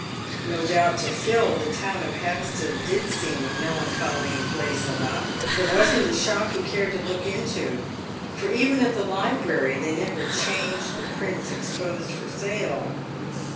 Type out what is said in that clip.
No doubt to Phil the town of Hampstead did seem a melancholy place enough. There wasn't a shop he cared to look into, for even at the library they never changed the prints exposed for sale.